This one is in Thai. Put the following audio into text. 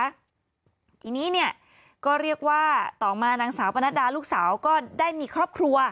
ทีนี้เนี่ยก็เรียกว่าต่อมานางสาวปนัดดาลูกสาวก็ได้มีครอบครัว